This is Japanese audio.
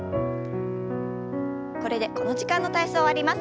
これでこの時間の体操終わります。